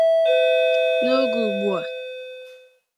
N’oge ugbua